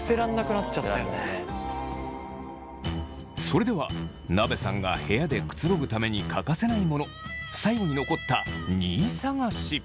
それではなべさんが部屋でくつろぐために欠かせないモノ最後に残った２位探し。